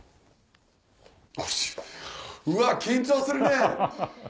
うわ緊張するね！